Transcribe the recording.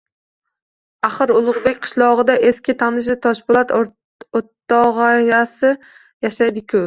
Axir, Ulug‘bek qishlog‘ida eski tanishi Toshpo‘lat o‘tog‘asi yashaydi-ku